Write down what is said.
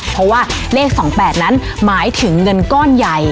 เพราะว่าเลข๒๘นั้นหมายถึงเงินก้อนใหญ่